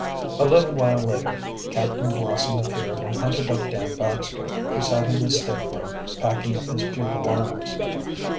A little while later Captain Blossom appeared and hunted up Dan Baxter, who sat in his state room, packing up his few belongings.